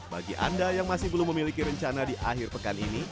bagi anda yang masih belum memiliki rencana di akhir pekan ini